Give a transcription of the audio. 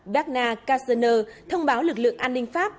bacchina cassener thông báo lực lượng an ninh pháp